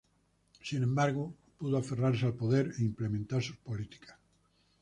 Sin embargo, pudo aferrarse al poder e implementar sus políticas.